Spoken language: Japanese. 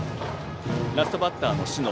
ラストバッターの小竹。